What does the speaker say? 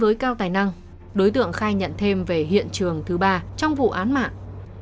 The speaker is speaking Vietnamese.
với cao tài năng đối tượng khai nhận thêm về hiện trường thứ ba trong vụ án mạng